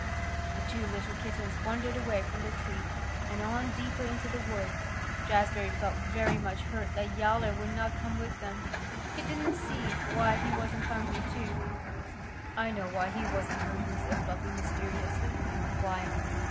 The two little kittens wandered away from the tree and on deeper into the wood. Jazbury felt very much hurt that Yowler would not come with them. He didn't see why he wasn't hungry, too. "I know why he wasn't hungry," said Fluffy mysteriously. "Why?"